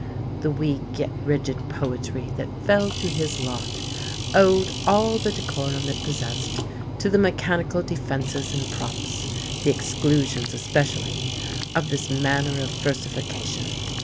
The weak yet rigid "poetry" that fell to his lot owed all the decorum it possessed to the mechanical defences and props the exclusions especially of this manner of versification.